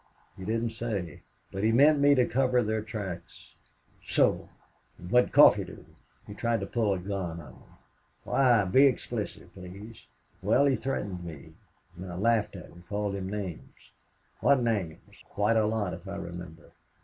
"He didn't say. But he meant me to cover their tracks." "So!... And what did Coffee do?" "He tried to pull a gun on me." "Why? Be explicit, please." "Well, he threatened me. And I laughed at him called him names." "What names?" "Quite a lot, if I remember.